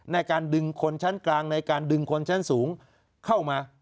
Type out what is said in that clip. ในการดึงคนชั้นกลางในการดึงคนชั้นสูงเข้ามา